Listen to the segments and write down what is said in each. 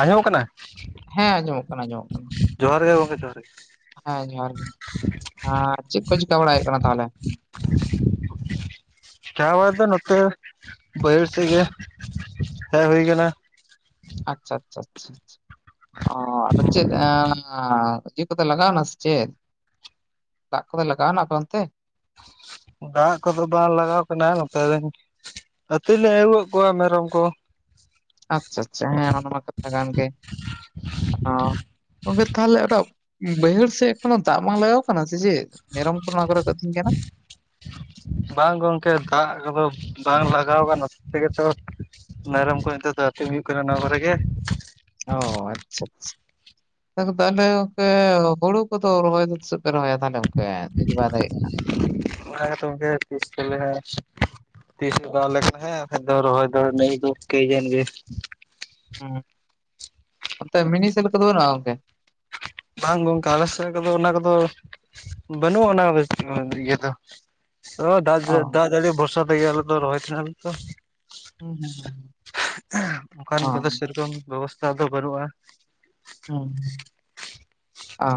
ᱟᱸᱡᱚᱢᱚᱜ ᱠᱟᱱᱟ? ᱦᱮᱸ ᱟᱸᱡᱚᱢᱚᱜ ᱠᱟᱱᱟ, ᱟᱸᱡᱚᱢᱚᱜ ᱠᱟᱱᱟ, ᱡᱚᱦᱟᱨ ᱜᱮ ᱜᱚᱢᱠᱮ ᱡᱚᱦᱟᱨ ᱜᱮ ᱦᱮᱸ ᱡᱚᱦᱟᱨ ᱜᱮ ᱟᱸ ᱪᱮᱫ ᱠᱚ ᱪᱤᱠᱟ ᱵᱟᱲᱟᱭ ᱦᱩᱭᱩᱜ ᱠᱟᱱᱟ ᱛᱟᱦᱚᱞᱮ? [inaudible] ᱪᱮᱠᱟ ᱵᱟᱲᱟ ᱫᱚ ᱱᱚᱛᱮ ᱵᱟᱹᱭᱦᱟᱹᱲ ᱥᱮᱫ ᱜᱮ ᱦᱮᱡ ᱦᱩᱭ ᱟᱠᱟᱱᱟ᱾ ᱟᱪᱪᱷᱟ ᱟᱪᱪᱷᱟ ᱟᱪᱪᱷᱟ ᱚ ᱟᱫᱚ ᱪᱮᱫ [unintelligible] ᱠᱚᱫᱚ ᱞᱟᱜᱟᱣᱮᱱᱟ ᱥᱮ ᱪᱮᱫ? ᱫᱟᱜ ᱠᱚᱫᱚ ᱞᱟᱜᱟᱣᱱᱟ ᱚᱱᱛᱮ? ᱫᱟᱜ ᱠᱚᱫᱚ ᱵᱟᱝ ᱞᱟᱜᱟᱣ ᱠᱟᱱᱟ ᱱᱚᱛᱮ ᱨᱮᱱ ᱟᱹᱛᱤᱧ ᱞᱮ ᱟᱹᱜᱩ ᱟᱠᱟᱫ ᱠᱚᱣᱟ ᱢᱮᱨᱚᱢ ᱠᱚ᱾ ᱟᱪᱪᱷᱟ ᱟᱪᱪᱷᱟ᱾ ᱦᱮᱸ ᱚᱱᱟ ᱢᱟ ᱠᱟᱛᱷᱟ ᱠᱟᱱ ᱜᱮ᱾ ᱚ ᱛᱚᱵᱮ ᱛᱟᱦᱚᱞᱮ ᱚᱱᱟ ᱵᱟᱹᱭᱦᱟᱹᱲ ᱥᱮᱫ ᱮᱠᱷᱚᱱᱚ ᱫᱟᱜ ᱵᱟᱝ ᱞᱟᱜᱟᱣ ᱠᱟᱱᱟ ᱥᱮ ᱪᱮᱫ? ᱢᱮᱨᱚᱢ ᱠᱚ ᱱᱚᱣᱟ ᱠᱚᱨᱮ ᱠᱚ ᱟᱹᱛᱤᱧ ᱠᱟᱱᱟ? ᱵᱟᱝ ᱜᱚᱢᱠᱮ᱾ ᱫᱟᱜ ᱠᱚᱫᱚ ᱵᱟᱝ ᱞᱟᱜᱟᱣ ᱠᱟᱱ ᱦᱚᱛᱮᱡ ᱛᱮᱜᱮ ᱛᱚ ᱢᱮᱨᱚᱢ ᱠᱚ ᱱᱤᱛᱚᱜ ᱫᱚ ᱟᱹᱛᱤᱧ ᱦᱩᱭᱩᱜ ᱠᱟᱱᱟ ᱱᱚᱣᱟ ᱠᱚᱨᱮ ᱜᱮ᱾ ᱚ ᱟᱪᱪᱷᱟ ᱟᱪᱪᱷᱟ᱾ ᱛᱟᱦᱞᱮ ᱜᱚᱢᱠᱮ ᱦᱩᱲᱩ ᱠᱚᱫᱚ ᱨᱚᱦᱚᱭ ᱫᱚ ᱛᱤᱥᱚᱜ ᱯᱮ ᱨᱚᱦᱚᱭᱟ ᱛᱟᱦᱚᱞᱮ ᱜᱚᱢᱠᱮ ᱵᱟᱭ ᱫᱟᱜᱮᱫ ᱠᱷᱟᱱ ᱚᱱᱟ ᱜᱮᱛᱚ ᱜᱚᱢᱠᱮ ᱛᱤᱥ ᱪᱚᱞᱮ ᱦᱟᱸᱜ ᱛᱤᱥ ᱫᱟᱜ ᱟᱞᱮ ᱠᱟᱱᱟ ᱦᱟᱜ ᱵᱟᱠᱷᱟᱡ ᱫᱚ ᱨᱚᱦᱚᱭ ᱫᱚ ᱱᱮᱥ ᱫᱚ [unintelligible] ᱮᱱ ᱜᱮ ᱦᱩᱸ ᱚᱱᱛᱮ ᱢᱤᱱᱤ ᱥᱮᱞ ᱠᱚ ᱫᱚ ᱵᱟᱹᱱᱩᱜ-ᱟ ᱜᱚᱝᱠᱮ? ᱵᱟᱝ ᱜᱚᱝᱠᱮ ᱟᱞᱮ ᱥᱮᱫ ᱠᱚᱫᱚ ᱚᱱᱟ ᱠᱚᱫᱚ, ᱵᱟᱹᱱᱩᱜ ᱟᱱᱟ ᱠᱚ ᱫᱚ ᱤᱭᱟᱹ ᱫᱚ᱾ ᱚ ᱫᱟᱜ ᱚ ᱡᱟᱹᱲᱤ ᱵᱷᱚᱨᱥᱟ ᱛᱮᱜᱮ ᱟᱞᱮ ᱫᱚ ᱨᱚᱦᱚᱭ ᱛᱟᱦᱮᱱᱟ ᱞᱮ ᱛᱚ᱾ ᱦᱩᱸ ᱦᱩᱸ ᱦᱩᱸ ᱚᱱᱠᱟᱱ ᱦᱩᱸ ᱠᱚᱫᱚ ᱥᱮᱨᱚᱠᱚᱢ ᱵᱮᱵᱚᱥᱛᱟ ᱫᱚ ᱵᱟᱹᱱᱩᱜᱼᱟ᱾ ᱚᱸ᱾ ᱚ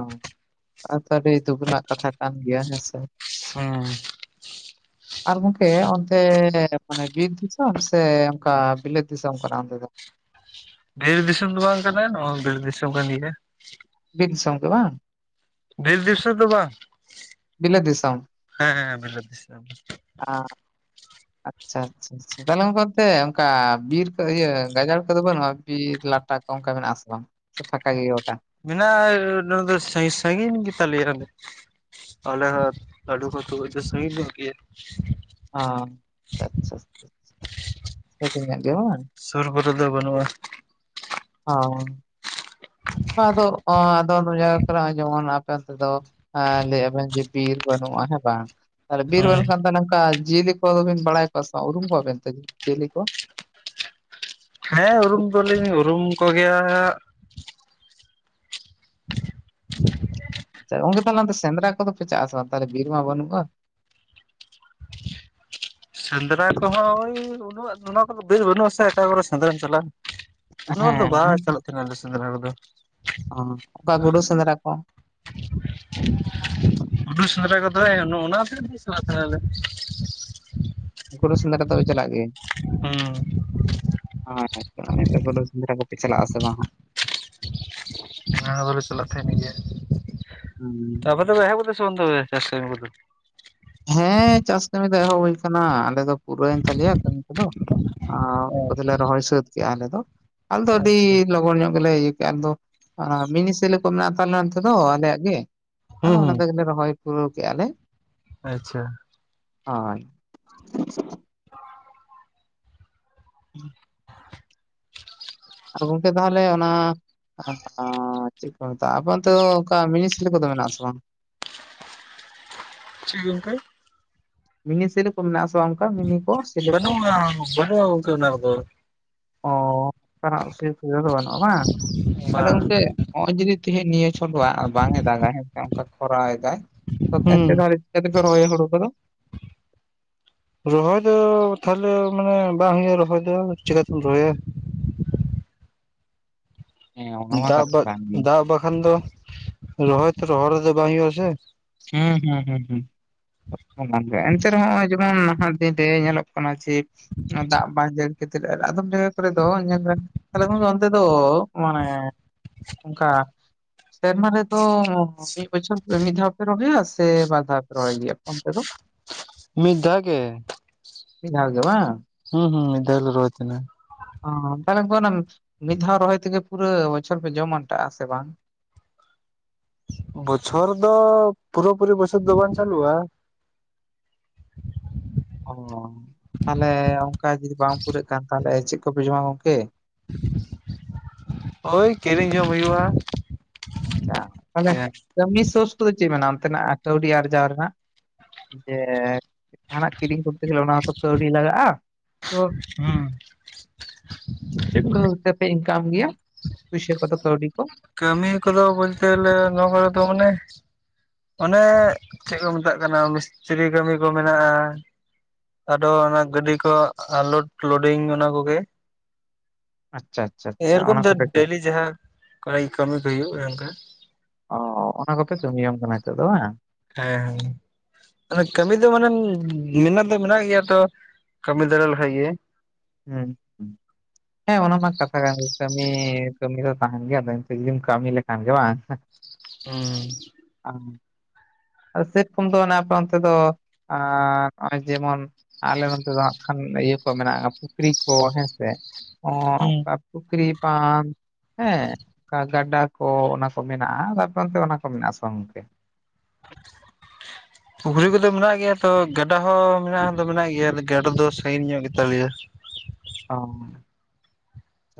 ᱟᱹᱰᱤ ᱫᱩᱠ ᱨᱮᱱᱟᱜ ᱠᱟᱛᱷᱟ ᱠᱟᱱ ᱜᱮᱭᱟ ᱦᱮᱸᱥᱮ? ᱦᱮᱸ᱾ ᱟᱨ ᱜᱚᱢᱠᱮ ᱚᱱᱛᱮ ᱢᱟᱱᱮ ᱵᱤᱨ ᱫᱤᱥᱚᱢ ᱥᱮ ᱚᱱᱠᱟ ᱵᱤᱞᱟᱹᱛ ᱫᱤᱥᱚᱢ ᱠᱟᱱᱟ ᱚᱱᱛᱮ ᱫᱚ? ᱵᱤᱨ ᱫᱤᱥᱚᱢ ᱫᱚ ᱵᱟᱝ ᱠᱟᱱᱟ᱾ ᱱᱚᱣᱟ ᱦᱚ ᱵᱤᱞᱟᱹᱛ ᱫᱤᱥᱚᱢ ᱠᱟᱱ ᱜᱮᱭᱟ᱾ ᱵᱤᱨ ᱫᱤᱥᱚᱢ ᱜᱮ ᱵᱟᱝ? ᱵᱤᱨ ᱫᱤᱥᱚᱢ ᱫᱚ ᱵᱟᱝ᱾ ᱵᱤᱞᱟᱹᱛ ᱫᱤᱥᱚᱢ, ᱦᱮᱸ ᱦᱮᱸ ᱵᱤᱞᱟᱹᱛ ᱫᱤᱥᱚᱢ ᱟᱨ ᱟᱪᱪᱷᱟ ᱟᱪᱪᱷᱟ᱾ ᱛᱟᱦᱚᱞᱮ ᱜᱚᱢᱠᱮ ᱚᱱᱛᱮ ᱚᱱᱠᱟ ᱵᱤᱨ ᱠᱚ ᱤᱭᱟᱹ ᱜᱟᱡᱟᱲ ᱠᱚᱫᱚ ᱵᱟᱹᱱᱩᱜᱼᱟ? ᱵᱤᱨ ᱞᱟᱴᱟ ᱠᱚ ᱚᱱᱠᱟ ᱢᱮᱱᱟᱜᱼᱟ ᱥᱮ ᱵᱟᱝ? ᱯᱷᱟᱠᱟ ᱜᱮᱭᱟ ᱜᱚᱴᱟ? ᱢᱮᱱᱟᱜᱼᱟ ᱫᱚ ᱥᱟ ᱥᱟᱜᱤᱧ ᱜᱮᱛᱟ ᱞᱮᱭᱟ᱾ ᱟᱞᱮ ᱦᱚᱸ᱾ [unintelligible] ᱚ ᱟᱪᱪᱷᱟ᱾ ᱥᱟᱸᱜᱤᱧ ᱧᱚᱜ ᱜᱮ ᱵᱟᱝ? ᱥᱩᱨ ᱠᱚᱨᱮ ᱫᱚ ᱵᱟᱹᱱᱩᱜᱼᱟ ᱚ᱾ ᱟᱫᱚ ᱟᱫᱚᱡ ᱟᱫᱚᱢ ᱡᱟᱭᱜᱟ ᱠᱚᱨᱮ ᱡᱮᱢᱚᱱ ᱟᱯᱮ ᱚᱱᱛᱮ ᱫᱚ ᱞᱟᱹᱭᱮᱜ ᱟᱵᱮᱱ ᱡᱮ ᱵᱤᱨ ᱵᱟᱹᱱᱩᱜᱼᱟ ᱦᱮᱸ ᱵᱟᱝ ᱾ ᱛᱟᱦᱚᱞᱮ ᱵᱤᱨ ᱦᱮᱸ ᱵᱟᱱᱩᱜ ᱠᱷᱟᱱ ᱫᱚ ᱱᱚᱝᱠᱟ ᱡᱤᱭᱟᱹᱞᱤ ᱠᱚᱫᱚ ᱵᱤᱱ ᱵᱟᱲᱟᱭ ᱠᱚᱣᱟ ᱥᱮ ᱵᱟᱝ ᱩᱨᱩᱢ ᱠᱚᱣᱟᱵᱮᱱ ᱛᱚ ᱡᱤᱭᱟᱹᱞᱤ ᱠᱚ? ᱦᱮᱸ ᱩᱨᱩᱢ ᱫᱚ ᱞᱤᱧ ᱩᱨᱩᱢ ᱠᱚ ᱜᱮᱭᱟ᱾ [inaudible] ᱟᱪᱪᱷᱟ ᱜᱚᱝᱠᱮ ᱛᱟᱦᱚᱞᱮ ᱥᱮᱸᱫᱽᱨᱟ ᱠᱚᱫᱚ ᱯᱮ ᱪᱟᱜ ᱟᱥᱮ ᱵᱟᱝ ᱛᱟᱦᱚᱞᱮ ᱵᱤᱨ ᱢᱟ ᱵᱟᱹᱱᱩᱜᱼᱟ? ᱥᱮᱸᱫᱽᱨᱟ ᱠᱚᱦᱚᱸ ᱳᱭ ᱩᱱᱟᱹᱜ ᱚᱱᱟ ᱠᱚᱫᱚ ᱵᱤᱨ ᱵᱟᱹᱱᱩᱜ ᱟᱥᱮ ᱚᱠᱟ ᱠᱚᱨᱮ ᱥᱮᱸᱫᱽᱨᱟᱢ ᱪᱟᱞᱟᱜᱼᱟ᱾ ᱚᱱᱟ ᱨᱮᱫᱚ ᱦᱮᱸ ᱵᱟᱞᱮ ᱪᱟᱞᱟᱜ ᱛᱟᱦᱮᱱᱟ ᱥᱮᱸᱫᱽᱨᱟ ᱠᱚ ᱫᱚ ᱾ ᱚ ᱚᱠᱟ ᱜᱩᱰᱩ ᱥᱮᱸᱫᱽᱨᱟ ᱠᱚ? ᱜᱩᱰᱩ ᱥᱮᱸᱫᱽᱨᱟ ᱠᱚᱫᱚ ᱞᱮ ᱚᱱᱟ ᱪᱟᱞᱟᱜ ᱛᱟᱦᱮᱱᱟ ᱞᱮ᱾ ᱜᱩᱰᱩ ᱥᱮᱸᱫᱽᱨᱟ ᱫᱚ ᱯᱮ ᱪᱟᱞᱟᱜ ᱜᱮᱭᱟ? ᱦᱩᱸ᱾ ᱦᱳᱭ ᱦᱳᱭ ᱜᱩᱰᱳ ᱥᱮᱸᱫᱽᱨᱟ ᱠᱚᱯᱮ ᱪᱟᱞᱟᱜ ᱟᱥᱮ ᱵᱟᱝ ᱦᱟᱜ? ᱚᱱᱟ ᱠᱚ ᱫᱚ ᱞᱮ ᱪᱟᱞᱟᱜ ᱛᱟᱦᱮᱱ ᱜᱮᱭᱟ᱾ ᱦᱩᱸ᱾ ᱛᱚ ᱟᱯᱮ ᱫᱚ ᱯᱮ ᱮᱦᱚᱵ ᱠᱮᱫᱟ ᱥᱮ ᱵᱟᱝ ᱛᱚᱵᱮ ᱪᱟᱥ ᱠᱟᱢᱤ ᱠᱚ ᱫᱚ? ᱦᱮᱸ ᱪᱟᱥ ᱠᱟᱹᱢᱤ ᱫᱚ ᱮᱦᱚᱵ ᱦᱳᱭ ᱟᱠᱟᱱᱟ᱾ ᱟᱞᱮ ᱫᱚ ᱯᱩᱨᱟᱹᱭᱣᱮᱱ ᱛᱟᱞᱮᱭᱟ ᱠᱟᱹᱢᱤ ᱠᱚ ᱫᱚ᱾ ᱟᱨ ᱚ [unintelligible] ᱞᱮ ᱨᱚᱦᱚᱭ ᱥᱟᱹᱛ ᱠᱮᱫᱟ ᱟᱞᱮ ᱫᱚ᱾ ᱟᱞᱮ ᱫᱚ ᱟᱹᱰᱤ ᱟᱪᱪᱷᱟ ᱞᱚᱜᱚᱱ ᱧᱚᱜ ᱜᱮᱞᱮ ᱤᱭᱟᱹ ᱠᱮᱜᱼᱟ ᱟᱫᱚ ᱚᱸ ᱢᱤᱱᱤ ᱥᱮᱞᱚ ᱠᱚ ᱢᱮᱱᱟᱜ ᱛᱟᱞᱮᱭᱟ ᱱᱚᱛᱮ ᱫᱚ ᱟᱞᱮᱭᱟᱜ ᱜᱮ᱾ ᱦᱩᱸ ᱟᱫᱚ ᱚᱱᱟ ᱦᱩᱸ ᱛᱮᱜᱮ ᱞᱮ ᱨᱚᱦᱚᱭ ᱯᱩᱨᱟᱹᱣ ᱠᱮᱜᱼᱟ ᱞᱮ᱾ ᱟᱪᱪᱷᱟ᱾ ᱦᱳᱭ᱾ [inaudible] [inaudible] ᱟᱨ ᱜᱚᱝᱠᱮ ᱛᱟᱦᱚᱞᱮ ᱚᱱᱟ ᱪᱮᱫ ᱠᱚ ᱢᱮᱛᱟᱜᱼᱟ ᱟᱯᱮ ᱚᱱᱛᱮ ᱚᱱᱠᱟ ᱢᱤᱱᱤᱥ ᱠᱚᱫᱚ ᱢᱮᱱᱟᱜ ᱟᱥᱮ ᱵᱟᱝ? ᱪᱤᱜ ᱜᱚᱝᱠᱮ ᱢᱤᱱᱤ ᱥᱮᱞᱚ ᱢᱚᱱᱟᱜ ᱟᱥᱮ ᱵᱟᱝ? ᱚᱱᱠᱟ ᱢᱤᱱᱤ ᱠᱚ ᱥᱮᱞᱚ ᱠᱚ ᱵᱟᱹᱱᱩᱼᱟ ᱵᱟᱹᱱᱩᱜᱼᱟ ᱜᱚᱝᱠᱮ ᱚᱱᱟ ᱠᱚᱫᱚ ᱾ ᱚ ᱚᱱᱠᱟᱱᱟᱜ ᱥᱩᱯ ᱤᱭᱟᱹ ᱫᱚ ᱵᱟᱹᱱᱩᱜᱼᱟ ᱵᱟᱝ, ᱛᱟᱦᱞᱮ ᱵᱟᱝ ᱜᱚᱝᱠᱮ ᱱᱚᱜᱼᱚᱭ ᱡᱩᱫᱤ ᱛᱮᱦᱤᱧ ᱱᱤᱭᱟᱹ ᱪᱷᱚᱰᱣᱟᱜ ᱵᱟᱝ ᱮ ᱫᱟᱜᱟᱭ ᱦᱮᱸᱥᱮ ᱚᱝᱠᱟ ᱠᱚᱨᱟᱣ ᱫᱟᱭ ᱛᱚ ᱛᱮᱱᱯᱮ ᱦᱩᱸ ᱫᱷᱟᱲᱤᱡ ᱾ ᱛᱮᱯᱮ ᱨᱚᱦᱚᱭᱟ ᱦᱳᱲᱳ ᱠᱚᱫᱚ ᱾ ᱨᱚᱦᱚᱭ ᱫᱚ ᱛᱟᱞᱮ ᱢᱟᱱᱮ ᱵᱟᱝ ᱦᱳᱭᱳᱜᱼᱟ ᱨᱚᱦᱚᱭ ᱫᱚ ᱪᱮᱠᱟᱛᱮᱢ ᱨᱚᱦᱚᱭᱟ ᱾ ᱦᱮᱸ ᱚᱱᱟ ᱢᱟ ᱫᱟᱜ ᱠᱟᱛᱷᱟ ᱵᱟ ᱠᱟᱱ ᱜᱮ ᱫᱟᱜ ᱵᱟᱠᱷᱟᱱ ᱫᱚ ᱨᱚᱦᱚᱭ ᱛᱚ ᱨᱚᱦᱚᱲ ᱨᱮᱫᱚ ᱵᱟᱝ ᱦᱩᱭᱩᱜ-ᱟ ᱥᱮ ᱦᱮᱸ ᱦᱩᱸ ᱦᱩᱸ ᱦᱩᱸ ᱮᱱᱛᱮ ᱨᱮᱦᱚᱸ ᱚᱸᱦᱚᱭ ᱡᱚᱦᱚᱱ ᱱᱟᱦᱟᱜ ᱫᱤᱱᱨᱮ ᱧᱮᱞᱚᱜ ᱠᱟᱱᱟ ᱪᱤ ᱫᱟᱜ ᱵᱟᱝ ᱡᱟᱹᱨᱤ ᱠᱷᱟᱹᱛᱤᱨ ᱟᱨ ᱟᱫᱚᱢ ᱡᱟᱭᱜᱟ ᱠᱚᱨᱮ ᱫᱚ ᱧᱮᱞ ᱢᱮ ᱟᱞᱮ ᱠᱷᱚᱱ ᱚᱱᱛᱮ ᱫᱚ ᱢᱟᱱᱮ ᱩᱝᱠᱟ ᱥᱮᱨᱢᱟ ᱨᱮᱫᱚ ᱢᱤᱫ ᱵᱚᱪᱷᱚᱨ ᱢᱤᱫ ᱫᱷᱟᱣ [unintelligible] ᱥᱮ ᱵᱟᱨ ᱫᱷᱟᱣ ᱯᱮ ᱨᱚᱦᱚᱭ ᱜᱮᱭᱟ, ᱮᱯᱚᱱ ᱛᱮᱫᱚ ᱾ ᱢᱤᱫ ᱫᱷᱟ ᱜᱮ ᱢᱤᱫ ᱫᱷᱟᱣ ᱜᱮ ᱵᱟᱝ ᱾ ᱦᱩᱸ ᱦᱩᱸ ᱢᱤᱫᱟᱣᱞᱮ ᱨᱚᱭ ᱛᱟᱦᱮᱱᱟ ᱾ ᱚ ᱛᱟᱞᱮᱢ ᱠᱚᱱᱟᱢ ᱢᱤᱫ ᱫᱷᱟᱣ ᱨᱚᱦᱚᱭ ᱛᱮᱜᱮ ᱯᱩᱨᱟᱹ ᱵᱚᱪᱷᱚᱨ ᱯᱮ ᱡᱚᱢ ᱟᱴᱟᱜᱼᱟ ᱥᱮ ᱵᱟᱝ? ᱵᱚᱪᱷᱚᱨ ᱫᱚ ᱯᱩᱨᱟᱹ ᱯᱩᱨᱤ ᱵᱟᱹᱭᱥᱟᱹᱠ ᱫᱚ ᱵᱟᱝ ᱪᱟᱹᱞᱩᱜᱼᱟ ᱾ ᱚ ᱛᱟᱧᱞᱮ ᱚᱱᱠᱟ ᱡᱩᱫᱤ ᱵᱟᱝ ᱯᱩᱨᱟᱹᱜ ᱠᱷᱟᱱ ᱛᱟᱦᱞᱮ ᱪᱮᱜ ᱠᱚᱯᱮ ᱡᱚᱢᱟ ᱜᱚᱝᱠᱮ ᱾ ᱦᱚᱭ ᱠᱤᱨᱤᱧ ᱡᱚᱢ ᱦᱩᱭᱩᱜᱼᱟ ᱾ ᱟᱪᱪᱷᱟ ᱛᱟᱦᱞᱮ ᱠᱟᱹᱢᱤ ᱥᱳᱨᱥ ᱠᱚᱫᱚ ᱪᱮᱜ ᱢᱮᱱᱟᱜᱼᱟ ᱚᱱᱛᱮᱱᱟᱜ ᱠᱟᱹᱣᱰᱤ ᱟᱨᱡᱟᱣ ᱨᱮᱱᱟᱜ ᱾ ᱡᱮ ᱡᱟᱦᱟᱱᱟᱜ ᱠᱤᱨᱤᱧ ᱠᱚᱛᱮᱨᱮ ᱛᱱᱟ ᱦᱚᱸᱛᱚ ᱠᱟᱹᱣᱰᱤ ᱞᱟᱜᱟᱜᱼᱟ᱾ ᱛᱚ ᱦᱩᱸ ᱪᱮᱫ ᱠᱚᱦᱚᱣ ᱛᱮᱯᱮ ᱤᱱᱠᱟᱢ ᱜᱮᱭᱟ ᱯᱩᱭᱥᱟᱹ ᱠᱚᱫᱚ ᱠᱟᱹᱣᱰᱤ ᱠᱚ ᱾ ᱠᱟᱹᱢᱤ ᱠᱚᱫᱚ ᱵᱚᱞᱛᱮᱞᱮ ᱱᱚᱣᱟ ᱠᱚᱨᱮᱫᱚ ᱢᱟᱱᱮ ᱚᱱᱮ ᱪᱮᱜ ᱠᱚ ᱢᱮᱛᱟᱜ ᱠᱟᱱᱟ, ᱢᱤᱥᱛᱨᱤ ᱠᱟᱹᱢᱤ ᱠᱚ ᱢᱮᱱᱟᱜᱼᱟ ᱾ ᱟᱫᱚ ᱚᱱᱟ ᱜᱟᱹᱰᱤ ᱠᱚ ᱟᱞᱚ ᱞᱳᱰᱤᱝ ᱚᱱᱟ ᱠᱚᱜᱮ ᱾ ᱟᱪᱪᱷᱟ ᱟᱪᱪᱷᱟ ᱟᱪᱪᱷᱟ ᱮᱨᱚᱠᱚᱢ ᱚᱱᱟ ᱛᱮ ᱠᱚᱯᱮ ᱠᱟᱹᱢᱤ ᱰᱮᱞᱤ ᱡᱟᱦᱟᱸ ᱠᱚᱲᱟᱭ ᱠᱟᱹᱢᱤ ᱠᱚ ᱦᱩᱭᱩᱜᱼᱟ ᱚᱱᱠᱟ ᱾ ᱚ ᱚᱱᱟ ᱠᱚᱯᱮ ᱠᱟᱹᱢᱤ ᱭᱟᱢ ᱠᱟᱱᱟ ᱱᱤᱛᱚᱜ ᱫᱚ ᱵᱟᱝ ᱾ ᱦᱮᱸ ᱠᱟᱹᱢᱤ ᱫᱚ ᱢᱟᱱᱮᱢ ᱢᱮᱱᱟᱜ ᱫᱚ ᱢᱮᱱᱟᱜ ᱜᱮᱭᱟ ᱛᱚ ᱠᱟᱹᱢᱤ ᱫᱟᱲᱟ ᱞᱟᱦᱟ ᱜᱮ ᱾ [inaudible] ᱦᱮᱸ ᱚᱱᱟ ᱢᱟ ᱠᱟᱛᱷᱟ ᱠᱟᱱ ᱠᱟᱹᱢᱤ, ᱠᱟᱹᱢᱤ ᱫᱚ ᱛᱟᱦᱮᱱ ᱜᱮᱭᱟ ᱟᱫᱚ ᱤᱱᱠᱟᱹ ᱡᱩᱫᱤᱢ ᱠᱟᱹᱢᱤ ᱞᱮᱠᱷᱟᱱ ᱜᱮ ᱵᱟᱝ ᱾ ᱦᱩᱸ ᱟ ᱥᱮᱯᱠᱚᱢ ᱫᱚ ᱚᱱᱮ ᱟᱯᱮ ᱚᱱᱛᱮ ᱫᱚ ᱟ ᱚᱭ ᱡᱮᱢᱚᱱ᱾ ᱟᱞᱮ ᱚᱱᱛᱮ ᱫᱚ ᱦᱟᱜ ᱠᱷᱟᱱ ᱤᱭᱟᱹ ᱠᱚ ᱢᱮᱱᱟᱜᱼᱟ ᱯᱩᱠᱷᱨᱤ ᱠᱚ ᱦᱮᱸᱥᱮ ᱦᱩᱸ ᱚᱼᱚᱱᱠᱟ ᱾ ᱯᱩᱠᱷᱨᱤ ᱯᱟᱱ ᱦᱮᱸ ᱜᱟᱰᱟ ᱠᱚ ᱚᱱᱟ ᱠᱚ ᱢᱮᱱᱟᱜᱼᱟ ᱛᱟᱨᱯᱚᱨ ᱛᱮ ᱚᱱᱟ ᱠᱚ ᱢᱮᱱᱟᱜᱼᱟ ᱥᱚᱝᱛᱮ ᱾ [inaudible] ᱯᱩᱠᱷᱨᱤ ᱠᱚᱫᱚ ᱢᱮᱱᱟᱜ ᱜᱮᱭᱟ, ᱛᱚ ᱜᱟᱰᱟ ᱦᱚᱸ ᱢᱮᱱᱟᱜ ᱫᱚ ᱢᱮᱱᱟᱜ ᱜᱮᱭᱟ ᱜᱟᱰᱟ ᱫᱚ ᱥᱟᱺᱜᱤᱧ ᱧᱚᱜ ᱜᱮᱛᱟᱞᱮᱭᱟ ᱾ ᱚ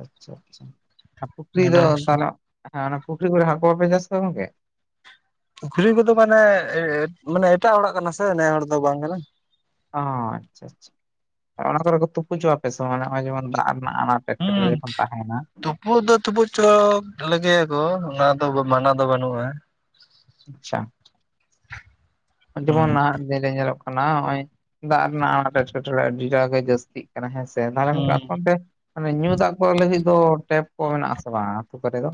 ᱟᱪᱪᱷᱟ ᱟᱪᱪᱷᱟ ᱯᱩᱠᱷᱨᱤ ᱫᱚ ᱜᱟᱰᱟ ᱛᱟᱞᱚᱜ ᱦᱮᱸ ᱚᱱᱟ ᱯᱩᱠᱷᱨᱤ ᱠᱚᱨᱮ ᱦᱟᱹᱠᱩ ᱦᱚᱸᱯᱮ ᱪᱟᱥ ᱠᱚᱣᱟ ᱜᱚᱢᱠᱮ? ᱯᱩᱠᱷᱨᱤ ᱠᱚᱫᱚ ᱢᱟᱱᱮ, ᱢᱟᱱᱮ ᱮᱴᱟᱜ ᱦᱚᱲᱟᱜ ᱠᱟᱱᱟ ᱥᱮ ᱱᱮ ᱦᱚᱲ ᱫᱚ ᱵᱟᱝ ᱠᱟᱱᱟ᱾ ᱚ ᱟᱪᱪᱷᱟ ᱟᱪᱪᱷᱟ ᱚᱱᱟ ᱠᱚᱨᱮ ᱠᱚ ᱛᱩᱯᱩᱪᱚᱜᱼᱟᱯᱮ ᱥᱮ ᱵᱟᱸᱜ ᱱᱚᱜᱼᱚᱭ ᱡᱮᱢᱚᱱ ᱫᱟᱜ ᱨᱮᱱᱟᱜ ᱟᱱᱟᱴ ᱾ ᱮᱴᱠᱮ ᱴᱚᱸᱲᱮ ᱦᱚᱸ ᱛᱟᱦᱮᱸᱱᱟ᱾ ᱛᱩᱯᱩᱪᱚ ᱞᱮᱜᱮᱭᱟᱠᱚ ᱚᱱᱟ ᱫᱚ ᱢᱟᱱᱟ ᱫᱚ ᱵᱟᱹᱱᱩᱜᱼᱟ᱾ ᱟᱪᱪᱷᱟ ᱡᱮᱢᱚᱱ ᱦᱩᱸ ᱱᱟᱦᱟᱜ ᱫᱤᱱ ᱨᱮ ᱧᱮᱞᱚᱜ ᱠᱟᱱᱟ ᱱᱚᱜᱼᱚᱭ ᱫᱟᱜ ᱨᱮᱱᱟᱜ ᱟᱱᱟᱴ ᱮᱴᱠᱮᱴᱚᱬᱮ ᱟᱹᱰᱤᱴᱟᱜ ᱜᱮ ᱡᱟᱹᱥᱛᱤ᱾ ᱮᱱᱟ ᱦᱮᱸᱥᱮ ᱫᱟᱲᱟᱱ ᱦᱩᱸ [unintelligible] ᱢᱟᱱᱮ ᱧᱩ ᱫᱟᱜ ᱠᱚ ᱞᱟᱹᱜᱤᱫ ᱫᱚ ᱴᱮᱯ ᱠᱚ ᱢᱮᱱᱟᱜ ᱟᱥᱮ ᱵᱟᱝᱼᱟ ᱟᱹᱛᱩ ᱠᱚᱨᱮ ᱫᱚ᱾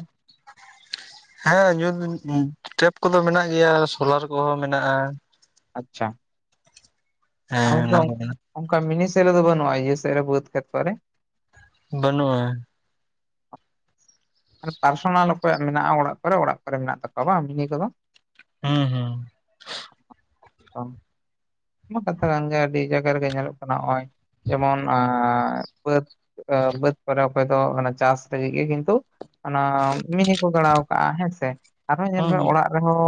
ᱦᱮᱸ ᱧᱩᱛ [unintelligible] ᱴᱮᱯ ᱠᱚᱫᱚ ᱢᱮᱱᱟᱜ ᱜᱮᱭᱟ ᱥᱳᱞᱟᱨ ᱠᱚᱦᱚᱸ ᱢᱮᱱᱟᱜᱼᱟ ᱟᱪᱪᱷᱟ ᱟ ᱦᱮᱸ ᱚᱱᱟ ᱠᱚ [unintelligible] ᱚᱱᱠᱟ ᱢᱤᱱᱤ ᱥᱮᱫ ᱨᱮᱫᱚ ᱵᱟᱹᱱᱩᱜᱼᱟ ᱤᱭᱟᱹ ᱥᱮᱫ ᱨᱮ ᱵᱟᱹᱫᱽ ᱠᱷᱮᱛ ᱠᱚ ᱨᱮ᱾ ᱵᱟᱹᱱᱩᱜᱼᱟ ᱟᱨ ᱯᱟᱨᱥᱚᱱᱟᱞ ᱚᱠᱚᱭᱟᱜ ᱢᱮᱱᱟᱜᱼᱟ ᱚᱲᱟᱜ ᱠᱚᱨᱮ ᱚᱲᱟᱜ ᱠᱚᱨᱮ ᱢᱮᱱᱟᱜ ᱛᱟᱠᱚᱣᱟ ᱵᱟᱝ ᱢᱤᱱᱤ ᱠᱚᱫᱚ᱾ ᱦᱮᱸ ᱦᱮᱸ [inaudible] ᱚ ᱮᱢᱚᱱ ᱠᱟᱛᱷᱟ ᱠᱟᱱᱜᱮ ᱟᱹᱰᱤ ᱡᱟᱭᱜᱟ ᱨᱮᱜᱮ ᱧᱮᱞᱚᱜ ᱠᱟᱱᱟ ᱱᱚᱜᱼᱚᱭ ᱡᱮᱢᱚᱱ ᱟᱭ ᱵᱟᱹᱫ ᱾ ᱵᱟᱹᱫᱽ ᱠᱚᱨᱮ ᱚᱠᱚᱭ ᱫᱚ ᱚᱱᱟ ᱪᱟᱥ ᱞᱟᱹᱜᱤᱫ ᱜᱮ ᱠᱤᱱᱛᱩ ᱚᱱᱟ ᱢᱤᱱᱤ ᱠᱚ ᱜᱟᱲᱟᱣ ᱠᱟᱜᱼᱟ ᱦᱮᱸᱥᱮ ᱟᱨᱦᱚᱸ ᱧᱮᱞ ᱦᱩᱸ ᱢᱮ ᱦᱩᱸ ᱚᱲᱟᱜ᱾ ᱟᱨᱦᱚᱸ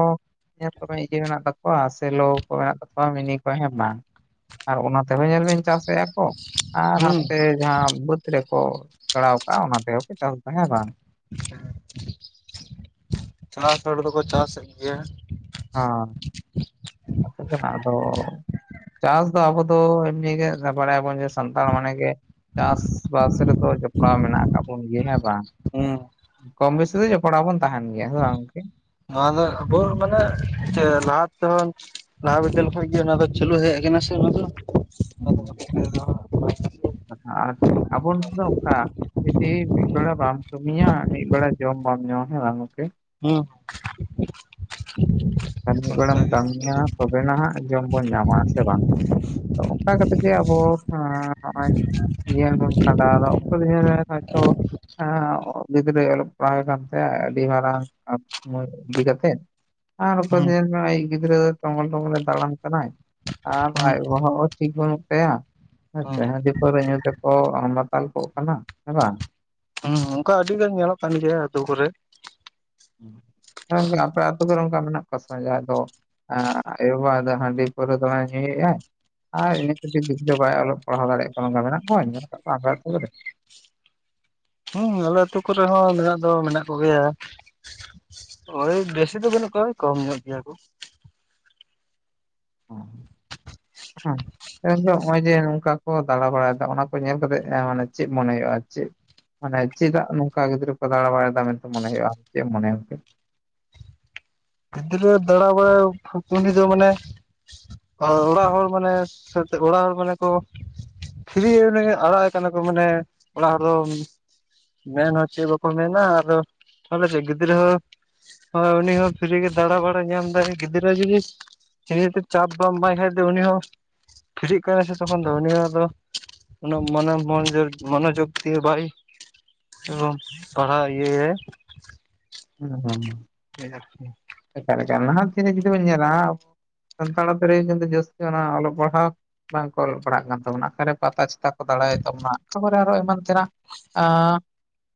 ᱧᱮᱞ ᱠᱚᱢᱮ ᱤᱭᱟᱹ ᱢᱮᱱᱟᱜ ᱛᱟᱠᱚᱣᱟ ᱥᱮ ᱞᱟᱹᱣ ᱠᱚ ᱢᱮᱱᱟᱜ ᱛᱟᱠᱚᱣᱟ ᱢᱤᱱᱤ ᱠᱚ ᱦᱮᱸ ᱵᱟᱝ ᱾ ᱟᱨ ᱚᱱᱟ ᱛᱮᱦᱚᱸ ᱧᱮᱞ ᱵᱤᱱ ᱪᱟᱥᱮᱜᱼᱟᱭ ᱾ ᱚᱜ ᱟᱨ ᱦᱩᱸ ᱦᱟᱯᱮ ᱡᱟᱦᱟᱸ ᱵᱟᱹᱫᱽ ᱨᱮᱠᱚ ᱜᱟᱲᱟᱣ ᱠᱟᱜᱼᱟ ᱚᱱᱟ ᱛᱮᱦᱚᱸ ᱠᱚ ᱪᱟᱥ ᱫᱟ ᱦᱮᱸ ᱵᱟᱝ ᱾ [inaudible] ᱪᱟᱥ ᱦᱚᱲ ᱫᱚᱠᱚ ᱪᱟᱥᱮᱫ ᱜᱮᱭᱟ ᱾ ᱦᱟ [unintelligible] ᱠᱟᱱᱟ ᱟᱫᱚ ᱪᱟᱥ ᱫᱚ ᱟᱵᱚ ᱫᱚ ᱮᱢᱱᱤ ᱜᱮ ᱵᱟᱲᱟᱭᱟᱵᱚᱱ ᱡᱮ ᱥᱟᱱᱛᱟᱲ ᱢᱟᱱᱮ ᱜᱮ ᱪᱟᱥᱵᱟᱥ ᱨᱮᱫᱚ ᱡᱚᱯᱲᱟᱣ ᱢᱮᱱᱟᱜ ᱟᱠᱟᱫ ᱵᱚᱱ ᱜᱮ ᱦᱮᱸ ᱵᱟᱝ? ᱦᱮᱸ ᱾ ᱠᱚᱢ ᱵᱮᱥᱤ ᱫᱚ ᱡᱚᱯᱲᱟᱣ ᱵᱚᱱ ᱛᱟᱦᱮᱱ ᱜᱮᱭᱟ ᱦᱮᱸ ᱥᱮ ᱵᱟᱝ ᱜᱚᱝᱠᱮ ᱾ ᱱᱚᱣᱟ ᱫᱚ ᱟᱵᱚ ᱢᱟᱱᱮ ᱪᱮ ᱞᱟᱦᱟ ᱛᱮᱦᱚᱸ ᱞᱟᱦᱟ ᱵᱤᱫᱟᱹᱞ ᱠᱷ ᱜᱮ ᱚᱱᱟ ᱫᱚ ᱪᱟᱹᱞᱩ ᱦᱮᱡ ᱟᱠᱟᱱᱟ ᱥᱮ ᱚᱱᱟ ᱫᱚ ᱦᱩᱸ ᱻ᱾ [unintelligible] ᱟ ᱟᱨ ᱟᱵᱚ ᱫᱚ ᱚᱱᱠᱟ [inaudible] ᱡᱩᱫᱤ ᱢᱤᱫ ᱵᱮᱲᱟ ᱵᱟᱢ ᱠᱟᱹᱢᱤᱭᱟ ᱢᱤᱫ ᱵᱮᱲᱟ ᱡᱚᱢ ᱵᱟᱢ ᱧᱟᱢᱟ ᱦᱸᱥᱮ ᱵᱟᱝ ᱜᱚᱝᱠᱮ ᱦᱮᱸ [unintelligible] ᱢᱤᱫ ᱵᱮᱲᱟᱢ ᱠᱟᱹᱢᱤᱭᱟ ᱛᱚᱵᱮᱱᱟᱜ ᱦᱟᱸᱜ ᱡᱚᱢ ᱵᱚᱱ ᱧᱟᱢᱟ ᱥᱮ ᱵᱟᱝ ᱚᱱᱠᱟ ᱠᱟᱛᱮ ᱜᱮ ᱟᱵᱚ ᱱᱚᱜᱚᱭ ᱡᱤᱭᱚᱱ ᱵᱚᱱ ᱠᱷᱟᱸᱰᱟᱣᱫᱟ ᱚᱠᱚᱭ ᱫᱚᱪᱚ [inaudible] ᱦᱮᱸ ᱜᱤᱫᱽᱨᱟᱹ ᱚᱞᱚᱜ ᱯᱟᱲᱦᱟᱣ ᱠᱟᱱ ᱛᱟᱦᱮᱸᱟ ᱟᱹᱰᱤ ᱢᱟᱨᱟᱝ ᱥ ᱤᱫᱤ ᱠᱟᱛᱮᱜ [unintelligible] ᱟᱨ ᱚᱠᱚᱭ ᱫᱚ ᱦᱩᱸ ᱧᱮᱞ ᱢᱮ ᱟᱡᱤᱡ ᱜᱤᱫᱽᱨᱟᱹ ᱴᱵᱚᱞ ᱴᱵᱚᱞᱮ ᱫᱟᱟᱲᱟᱱ ᱠᱟᱱᱟᱭ ᱟᱨ ᱦᱩᱸ ᱟᱭ ᱵᱟᱵᱟ ᱦᱚᱸ ᱴᱷᱤᱠ ᱵᱟᱹᱱᱩᱜ ᱛᱟᱭᱟ ᱦᱮᱸ ᱥᱮ ᱦᱩᱸ ᱦᱟᱹᱰᱤ ᱯᱟᱣᱨᱟᱹ ᱧᱩ ᱛᱮᱠᱚ ᱢᱟᱛᱟᱞ ᱠᱚᱜ ᱠᱟᱱᱟ ᱦᱮᱸ ᱵᱟᱝ ᱾ ᱦᱩᱸ ᱚᱱᱠᱟ ᱟᱹᱰᱤ ᱜᱟᱱ ᱧᱮᱞᱚᱜ ᱠᱟᱱ ᱜᱮᱭᱟ ᱟ. ᱛᱩ ᱠᱚᱨᱮ ᱮ ᱟᱯᱮ ᱟᱹᱛᱩ ᱠᱚᱨᱮ ᱚᱱᱠᱟ ᱢᱮᱱᱟᱜ ᱠᱚᱣᱟ ᱥᱮ ᱡᱟᱦᱟᱸᱭ ᱫᱚ ᱟᱸᱻ ᱟᱭᱚ ᱵᱟᱵᱟ ᱫᱚ ᱦᱟᱺᱰᱤ ᱯᱟᱣᱨᱟᱭ ᱫᱚᱢᱮ ᱧᱩ ᱮᱛᱼ ᱟᱭ ᱾ ᱟᱨ ᱤᱱᱟᱹ ᱠᱟᱹᱤᱡ ᱫ ᱫᱚ ᱵᱟᱭ ᱚᱞᱚᱜ ᱯᱟᱲᱦᱟᱣ ᱫᱟᱲᱮᱭᱟᱜ ᱠᱟᱱᱟ ᱱᱚᱚᱱ ᱧᱮᱞᱟᱜ ᱨᱮ [unintelligible] ᱦᱮᱸ ᱟᱞᱮ ᱟᱹᱛᱩ ᱠᱚᱨᱮ ᱦᱚᱸ ᱢᱮᱱᱟᱜ ᱫᱚ ᱢᱮᱱᱟᱜ ᱠᱚᱜᱮᱭᱟ ᱾ ᱳᱭ ᱵᱮᱥᱤ ᱫᱚ ᱵᱟᱹᱱᱩᱜ ᱠᱚᱣᱟ ᱠᱚᱢ ᱧᱚᱜ ᱜᱮᱭᱟ ᱠᱚ ᱾ ᱦ ᱦᱮᱸ [unintelligible] ᱱᱚᱜ ᱚᱭ ᱡᱮ ᱱᱚᱝᱠᱟ ᱠᱚ ᱫᱟᱬᱟ ᱵᱟᱲᱟ ᱦᱟᱠᱟ -ᱟ ᱾ ᱚᱱᱟ ᱠᱚ ᱧᱮᱞ ᱠᱟᱛᱮᱜ ᱢᱟᱱᱮ ᱪᱮᱫ ᱢᱚᱱᱮ ᱦᱩᱭᱩᱜᱼᱟ ᱪᱮᱫ [inaudible] ᱢᱟᱱᱮ ᱦᱪᱮᱫᱟ ᱱᱚᱝᱠᱟ ᱜᱽ ᱯᱚᱫᱟᱲ ᱵᱟᱟᱭ ᱫᱟᱢ ᱢᱮ ᱦᱩᱭᱩᱜ ᱢᱚᱱᱮᱠ [unintelligible] ᱜᱤᱫᱽᱨᱟ. ᱫᱟᱸᱬᱟ ᱵᱟᱲᱟ ᱯᱩᱴᱟᱱᱤ ᱫᱚ ᱢᱟᱱᱮ ᱟᱨ ᱚᱲᱟᱜ ᱦᱚᱲ ᱢᱟᱱᱮ ᱚᱲᱟᱜ ᱦᱚᱲ ᱢᱟᱱᱮ ᱠᱚ ᱯᱷᱤᱨᱤ ᱚᱱᱮ ᱟᱲᱟᱜ ᱠᱟᱱᱟ ᱠᱚ ᱢᱟᱱᱮ ᱚᱲᱟᱜ ᱨᱮᱫᱚ ᱢᱮᱱ ᱦᱚᱸ ᱪᱮᱫ ᱵᱟᱠᱚ ᱢᱮᱱᱟ ᱟᱨ ᱛᱟᱦᱚᱞᱮ ᱥᱮ ᱜᱤᱫᱽᱨᱟᱹ ᱦᱚᱸ ᱩᱱᱤ ᱦᱚᱸ ᱥᱟᱹᱨᱤᱜᱮ ᱫᱟᱬᱟ ᱵᱟᱲ ᱧᱟᱢᱫᱟᱭ ᱜᱤᱫᱽᱨᱟᱹ ᱡᱩᱫᱤ ᱱᱤᱡᱛᱮ ᱪᱟᱯ ᱵᱟᱢ ᱮᱢᱟᱭ ᱠᱷᱟᱱ ᱫᱚ ᱩᱱᱤ ᱦᱚᱸ ᱯᱷᱤᱨᱤᱜ ᱠᱟᱱᱟᱭ ᱥᱮ ᱛᱚᱠᱷᱚᱱ ᱫᱚ ᱩᱱᱤ ᱦᱚᱸ ᱫᱚ ᱚᱱᱟ ᱢᱚᱱ ᱢᱚᱱ ᱢᱚᱱᱳᱚᱡᱜ ᱫᱤᱭᱮ ᱵᱟᱭ ᱯᱟᱲᱦᱟᱣ ᱤᱭᱟᱹᱭᱟᱭ ᱦᱩᱸ ᱦᱩᱸ ᱪᱮᱫ ᱟᱨᱠᱤ [inaudible] ᱱᱟᱦᱟᱜ [inaudible] ᱧᱮᱞᱟ ᱥᱟᱱᱛᱟᱲ ᱨᱮ ᱠᱤᱱᱛᱩ ᱡᱟᱹᱥᱛᱤ ᱚᱱᱟ ᱚᱞᱚᱜ ᱯᱟᱲᱦᱟᱜ ᱵᱟᱝᱠᱚ ᱯᱟᱲᱦᱟᱜ ᱠᱟᱱ ᱛᱟᱵᱚᱱᱟ ᱚᱠᱟᱨᱮ ᱯᱟᱛᱟ ᱪᱷᱟᱛᱟ ᱠᱚ ᱫᱟᱲᱟᱭ ᱛᱟᱵᱚᱱᱟ ᱛᱚᱨᱮ ᱟᱨᱚ ᱮᱢᱟᱱ ᱛᱮᱱᱟᱜ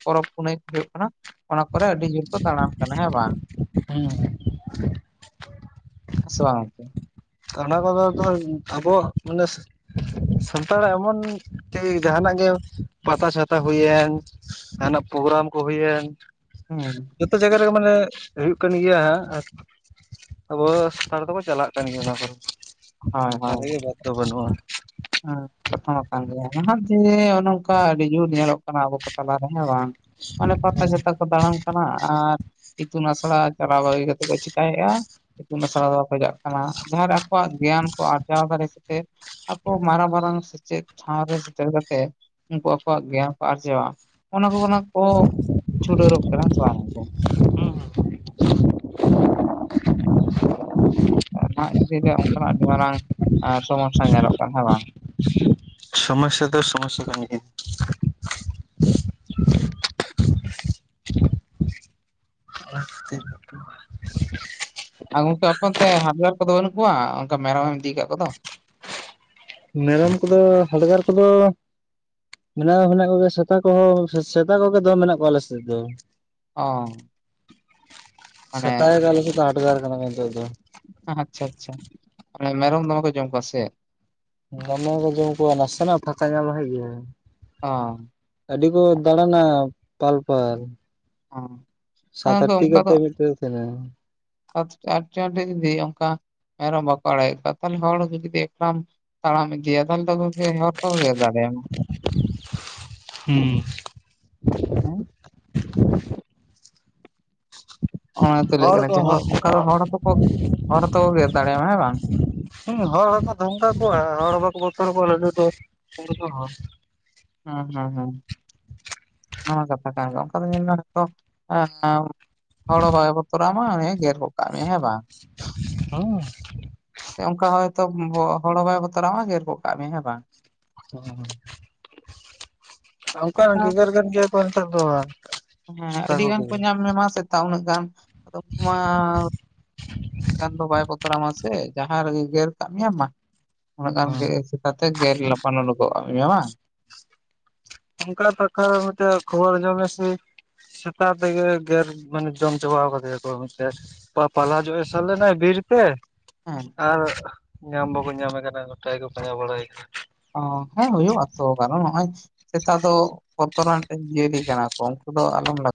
ᱯᱚᱨᱚᱵᱽ ᱯᱩᱱᱟᱹᱭ ᱦᱩᱭᱩᱜ ᱠᱟᱱᱟ ᱚᱱᱟ ᱠᱚᱨᱮ ᱟᱹᱰᱤ ᱡᱳᱨ ᱫᱟᱲᱟᱢ ᱠᱟᱱᱟ ᱦᱮᱸ ᱵᱟᱝ ᱦᱩᱸ ᱥᱮ ᱵᱟᱝ ᱜᱚᱝᱠᱮ ᱚᱱᱟ ᱠᱚᱫᱚ ᱟᱵᱚ ᱢᱟᱱᱮ ᱥᱟᱱᱛᱟᱲᱟᱜ ᱮᱢᱚᱱ ᱠᱤ ᱡᱟᱦᱟᱱᱟᱜ ᱜᱮ ᱯᱟᱛᱟ ᱪᱷᱟᱛᱟ ᱦᱩᱭᱮᱱ ᱡᱟᱦᱱᱟᱜ ᱯᱨᱳᱜᱨᱟᱢ ᱠᱚ ᱦᱩᱭᱮᱱ ᱦᱩᱸ ᱦᱩᱸ ᱡᱚᱛᱚ ᱡᱟᱭᱜᱟ ᱨᱮᱜᱮ ᱢᱟᱱᱮ ᱦᱩᱭᱩᱜ ᱠᱟᱱ ᱜᱮᱭᱟ ᱦᱟᱸᱜ ᱟᱵᱚ ᱥᱟᱱᱛᱟᱲ ᱫᱚᱠᱚ ᱪᱟᱞᱟᱜ ᱠᱟᱱ ᱜᱮᱭᱟ ᱥᱟᱨᱤ ᱜᱮ ᱵᱟᱫᱽ ᱫᱚ ᱵᱟᱹᱱᱩᱜᱼᱟ ᱾ ᱦᱩᱸ ᱲ [inaudible] ᱠᱷᱚᱛᱚᱢ ᱟᱠᱟᱱ ᱜᱮᱭᱟ ᱱᱟᱦᱟᱜ ᱡᱮ ᱱᱚᱚ ᱱᱚᱝᱠᱟ ᱟᱹᱰᱤᱜᱮᱵᱚ ᱧᱮᱞᱚᱜ ᱠᱟᱱᱟ ᱟᱵᱚ ᱠᱚ ᱛᱟᱞᱟ ᱨᱮ ᱦᱮᱸ ᱵᱟᱝ ᱾ ᱢᱟᱱᱮ ᱯᱟᱛᱟ ᱪᱷᱟᱛᱟ ᱠᱚ ᱫᱟᱬᱟᱱ ᱠᱟᱱᱟ ᱟᱨ ᱤᱛᱩᱱ ᱟᱥᱲᱟ ᱪᱟᱞᱟᱣ ᱵᱟᱹᱜᱤ ᱠᱟᱛᱮ ᱠᱚ ᱪᱤᱠᱟᱭᱮᱫᱼᱟ ᱤᱛᱩᱱ ᱟᱥᱲᱟ ᱫᱚ ᱵᱟᱠᱚ ᱪᱟᱜ ᱠᱟᱱᱟ ᱡᱟᱦᱟᱸ ᱨᱮ ᱟᱠᱚᱣᱟᱜ ᱜᱮᱭᱟᱱ ᱠᱚ ᱟᱨᱡᱟᱣ ᱫᱟᱲᱮ ᱟᱠᱚ ᱢᱟᱨᱟᱝ ᱢᱟᱨᱟᱝ ᱥᱮᱪᱮᱫ ᱴᱷᱟᱶ ᱨᱮ ᱥᱮᱴᱮᱨ ᱠᱟᱛᱮ ᱩᱱᱠᱩ ᱟᱠᱚᱣᱟᱜ ᱜᱮᱭᱟᱱ ᱠᱚ ᱟᱨᱡᱟᱣᱟ ᱚᱱᱟ ᱠᱚ ᱠᱷᱚᱱᱟᱜ ᱠᱚ ᱪᱷᱩᱰᱟᱹᱨᱚᱜ ᱠᱟᱱᱟ ᱥᱮ ᱵᱟᱝ ᱚᱱᱟ ᱤᱫᱤ ᱜᱮ ᱚᱱᱠᱟᱱᱟᱜ ᱟᱹᱰᱤ ᱢᱟᱨᱟᱝ ᱮᱸ ᱥᱚᱢᱚᱥᱥᱟ ᱧᱮᱞᱚᱜ ᱠᱟᱱᱟ ᱦᱮᱸ ᱵᱟᱝ ᱥᱚᱢᱚᱥᱥᱟ ᱫᱚ ᱥᱚᱢᱚᱥᱥᱟ ᱠᱟᱱ ᱜᱮᱭᱟ ᱚᱱᱟ ᱠᱷᱟᱹᱛᱤᱨ ᱜᱮᱛᱚ ᱟᱨ ᱜᱚᱝᱠᱮ ᱟᱯᱮ ᱚᱱᱛᱮ ᱦᱟᱰᱜᱟᱨ ᱠᱚᱫᱚ ᱵᱟᱹᱱᱩᱜ ᱠᱚᱣᱟ ᱚᱱᱠᱟ ᱢᱮᱨᱚᱢ ᱮᱢ ᱤᱫᱤ ᱟᱠᱟᱫ ᱠᱚᱫᱚ ᱢᱮᱨᱚᱢ ᱠᱚᱫᱚ ᱦᱟᱰᱜᱟᱨ ᱠᱚᱫᱚ ᱢᱮᱱᱟᱜ ᱫᱚ ᱢᱮᱱᱟᱜ ᱠᱚᱜᱮ ᱥᱮᱛᱟ ᱠᱚᱦᱚᱸ ᱥᱮᱛᱟ ᱠᱚᱜᱮ ᱫᱚ ᱫᱚᱢᱮ ᱢᱮᱱᱟᱜ ᱠᱚᱣᱟ ᱟᱞᱮ ᱥᱮᱫ ᱫᱚ ᱚ ᱢᱟᱱᱮ ᱥᱮᱛᱟ ᱜᱮ ᱟᱞᱮ ᱥᱮᱫ ᱫᱚ ᱦᱟᱰᱜᱟᱨ ᱠᱟᱱᱟ ᱠᱚ ᱱᱤᱛᱚᱜ ᱫᱚ ᱟᱪᱪᱷᱟ ᱟᱪᱪᱷᱟ ᱢᱟᱱᱮ ᱢᱮᱨᱚᱢ ᱫᱚᱢᱮ ᱠᱚ ᱡᱚᱢ ᱠᱚᱣᱟ ᱥᱮ ᱪᱮᱫ ᱫᱚᱢᱮ ᱠᱚ ᱡᱚᱢ ᱠᱚᱣᱟ ᱱᱟᱥᱮᱱᱟᱜ ᱯᱷᱟᱸᱠᱟ ᱧᱟᱢ ᱞᱮᱠᱷᱟᱱ ᱜᱮ ᱚ ᱟᱹᱰᱤ ᱠᱚ ᱫᱟᱬᱟᱱᱟ ᱯᱟᱞ ᱯᱟᱞ ᱚ ᱥᱟᱛ ᱟᱫᱚ ᱜᱚᱝᱠᱮ ᱟᱴᱴᱤ ᱚᱱᱠᱟ ᱫᱚ ᱠᱟᱛᱮᱫ [unintelligible] ᱛᱟᱦᱮᱱᱟ [unintelligible] ᱡᱩᱫᱤ ᱚᱱᱠᱟ ᱢᱮᱨᱚᱢ ᱵᱟᱠᱚ ᱟᱲᱟ ᱜᱮᱫ ᱠᱚᱣᱟ ᱛᱟᱦᱚᱞᱮ ᱦᱚᱲ ᱡᱩᱫᱤ ᱮᱠᱞᱟᱢ ᱛᱟᱲᱟᱢ ᱤᱫᱤᱭᱟ ᱛᱟᱦᱞᱮ ᱛᱚ ᱜᱚᱝᱠᱮ ᱦᱚᱲ ᱠᱚᱦᱚ ᱠᱚ ᱜᱮᱨ ᱫᱟᱨᱮᱭᱟᱢᱟ ᱦᱩᱸ ᱦᱮᱸ ᱚᱱᱟᱛᱮ ᱞᱟᱹᱭ ᱦᱚᱲ ᱠᱟᱱᱟ ᱠᱚ ᱡᱮ ᱚᱱᱠᱟ ᱫᱚ ᱦᱚᱸ ᱦᱚᱲᱚ ᱠᱚ ᱦᱚᱲ ᱦᱚᱸᱛᱚ ᱠᱚ ᱜᱮᱨ ᱫᱟᱲᱮᱭᱟᱢᱟ ᱦᱮᱸ ᱵᱟᱝ ᱦᱮᱸ ᱦᱚᱲ ᱦᱚᱸᱠᱚ ᱫᱷᱢᱠᱟᱣ ᱠᱚᱣᱟ ᱦᱚᱲ ᱦᱚᱸ ᱵᱟᱠᱚ ᱵᱚᱛᱚᱨ ᱟᱠᱚᱣᱟ [unintelligible] ᱦᱩᱸ ᱦᱩᱸ ᱦᱩᱸ ᱱᱚᱣᱟ ᱠᱟᱛᱷᱟ ᱠᱟᱱ ᱜᱮᱭᱟ ᱚᱱᱠᱟ ᱫᱚ ᱧᱮᱞ ᱢᱮ ᱦᱚᱭᱛᱚ ᱦᱚᱲ ᱦᱚ ᱵᱟᱭ ᱵᱚᱛᱨ ᱟᱢᱟ ᱜᱮᱨ ᱜᱚᱫ ᱠᱟᱜ ᱢᱮᱭᱟ ᱦᱮᱸ ᱵᱟᱝ ᱦᱩᱸ ᱚᱱᱠᱟ ᱦᱚᱭᱛᱳ ᱦᱚᱲ ᱦᱚᱸ ᱵᱟᱭ ᱵᱚᱛᱚᱨ ᱟᱢᱟ ᱜᱮᱨ ᱜᱚᱜ ᱠᱟᱜ ᱢᱮ ᱦᱮᱸ ᱵᱟᱝ ᱚᱱᱠᱟ ᱮᱱᱠᱷᱟᱱ ᱜᱮᱜᱮᱨ ᱠᱟᱱ ᱜᱮᱭᱟ ᱠᱚ ᱱᱮᱛᱟᱨ ᱫᱚ ᱦᱮᱸ ᱥᱮᱛᱟ ᱟᱹᱰᱤ ᱜᱟᱱ ᱠᱚᱜᱮ ᱠᱚ ᱧᱟᱢ ᱢᱮ ᱢᱟ ᱥᱮᱛᱟᱜ ᱩᱱᱟᱹᱜ ᱜᱟᱱ ᱟᱫᱚ ᱩᱱᱠᱩ ᱢᱟ ᱟᱢ ᱫᱚ ᱵᱟᱭ ᱵᱚᱛᱚᱨ ᱟᱢᱟᱥᱮ, ᱡᱟᱦᱟᱸ ᱨᱮᱜᱮ ᱜᱮᱨ ᱠᱟᱫ ᱢᱮᱭᱟ ᱢᱟ᱾ ᱦᱳᱭ ᱟᱢᱜᱮ ᱥᱮᱛᱟ ᱛᱮ ᱜᱮᱨ ᱞᱟᱯᱟ ᱞᱳᱰᱳ ᱜᱚᱜᱼᱟ ᱵᱟᱝ ᱚᱱᱠᱟ [unintelligible] ᱠᱷᱚᱵᱚᱨ ᱟᱸᱡᱚᱢ ᱱᱟᱥᱮ ᱥᱮᱛᱟᱜ ᱛᱮᱜᱮ ᱜᱮᱨ ᱢᱟᱱᱮ ᱡᱚᱢ ᱪᱟᱵᱟ ᱟᱠᱟᱫᱮᱭᱟ ᱠᱚ ᱢᱮᱱᱛᱮ᱾ ᱯᱟᱞᱦᱟ ᱡᱚᱜ ᱮ ᱥᱮᱱ ᱞᱮᱱᱟᱭ ᱵᱤᱨ ᱛᱮ, ᱦᱚ᱾ᱸ ᱟᱨ ᱧᱟᱢ ᱵᱟᱠᱚ ᱧᱟᱢᱮ ᱠᱟᱱᱟ, ᱜᱚᱴᱟ ᱜᱮᱠᱚ ᱯᱟᱸᱡᱟ ᱵᱟᱲᱟᱭ ᱠᱟᱱᱟ᱾ ᱚ ᱦᱮᱸ ᱦᱩᱭᱩᱜᱼᱟ ᱛᱚ᱾ ᱱᱚᱜᱚᱭ ᱥᱮᱛᱟ ᱫᱚ ᱵᱚᱛᱚᱨᱟᱱ ᱡᱤᱵᱷᱽ ᱡᱤᱭᱟᱹᱞᱤ ᱠᱟᱱᱟ ᱠᱚ, ᱩᱱᱠᱩ ᱫᱚ ᱟᱞᱚᱢ ᱞᱟᱜ